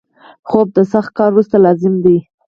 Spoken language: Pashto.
خوب د سخت کار وروسته لازم دی